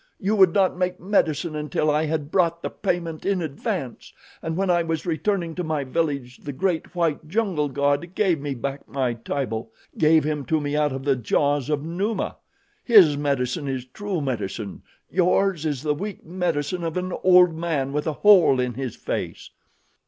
You would not make medicine until I had brought the payment in advance, and when I was returning to my village the great, white jungle god gave me back my Tibo gave him to me out of the jaws of Numa. His medicine is true medicine yours is the weak medicine of an old man with a hole in his face."